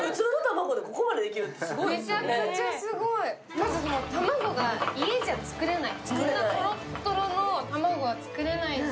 まず卵が家じゃ作れない。